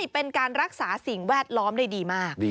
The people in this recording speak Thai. เป็นการรักษาสิ่งแวดล้อมได้ดีมาก